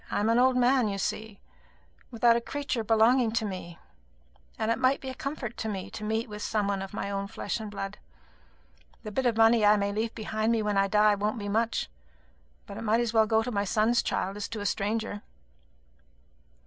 I am an old man, you see, without a creature belonging to me; and it might be a comfort to me to meet with some one of my own flesh and blood. The bit of money I may leave behind me when I die won't be much; but it might as well go to my son's child as to a stranger."